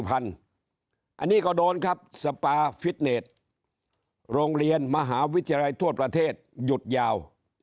อันนี้ก็โดนครับสปาฟิตเน็ตโรงเรียนมหาวิทยาลัยทั่วประเทศหยุดยาว